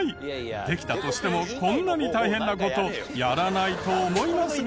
できたとしてもこんなに大変な事やらないと思いますが。